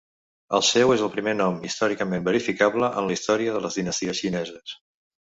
El seu és el primer nom històricament verificable en la història de les dinasties xineses.